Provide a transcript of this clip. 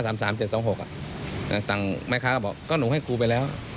ทางแม่ค้าก็บอกก็หนูให้ครูไปแล้ว